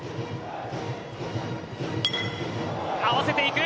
合わせていく。